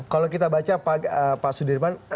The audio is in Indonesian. kalau kita baca pak sudirman